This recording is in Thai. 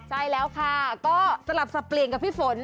ใช่แล้วคะก็สลับสปรีงกับพี่ฝน